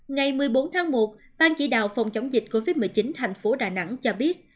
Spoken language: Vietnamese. ngày một mươi bốn tháng một bang chỉ đạo phòng chống dịch covid một mươi chín thành phố đà nẵng cho biết